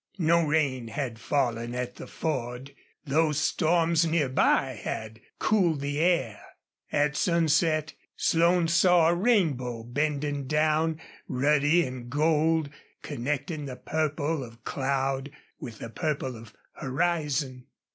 No rain had fallen at the Ford, though storms near by had cooled the air. At sunset Slone saw a rainbow bending down, ruddy and gold, connecting the purple of cloud with the purple of horizon.